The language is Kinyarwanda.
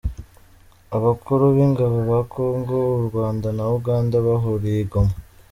Abakuru b’Ingabo ba congo, u Rwanda na Uganda bahuriye i Goma